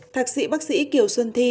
thạc sĩ bác sĩ kiều xuân thi